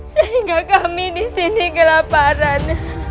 sehingga kami disini kelaparan